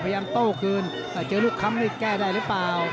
โต้คืนแต่เจอลูกค้ำนี่แก้ได้หรือเปล่า